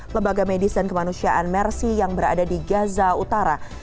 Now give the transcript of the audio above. lembaga medis dan kemanusiaan mersi yang berada di gaza utara